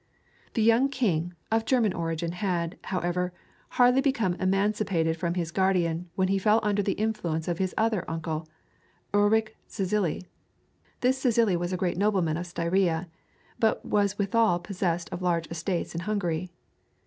The young king, of German origin had, however, hardly become emancipated from his guardian, when he fell under the influence of his other uncle, Ulric Czillei. This Czillei was a great nobleman of Styria, but was withal possessed of large estates in Hungary.